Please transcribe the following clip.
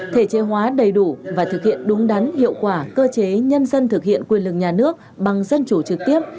thể chế hóa đầy đủ và thực hiện đúng đắn hiệu quả cơ chế nhân dân thực hiện quyền lực nhà nước bằng dân chủ trực tiếp